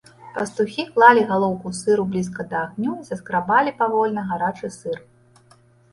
Пастухі клалі галоўку сыру блізка да агню і саскрабалі павольна гарачы сыр.